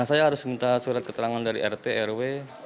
saya harus minta surat keterangan dari rt rw